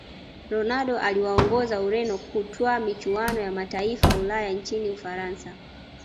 ronaldo aliwaongoza Ureno kutwaa michuano ya mataifaya ulaya nchini Ufaransa